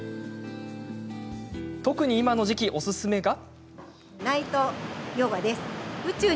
特に今の時期おすすめが。